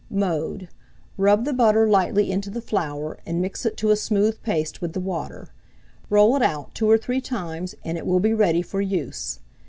Mode. Rub the butter lightly into the flour, and mix it to a smooth paste with the water; roll it out 2 or 3 times, and it will be ready for use.